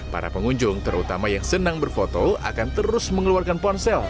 para pengunjung terutama yang senang berfoto akan terus mengeluarkan ponsel